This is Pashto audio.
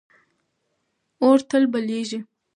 اور تل بلېږي.